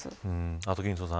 アトキンソンさん